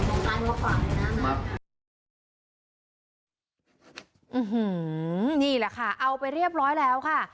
นี่แหละค่ะเอาไปเรียบร้อยแล้วค่ะ